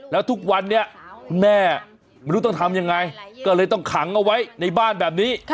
แล้วทุกวันนี้คุณแม่ไม่รู้ต้องทำยังไงก็เลยต้องขังเอาไว้ในบ้านแบบนี้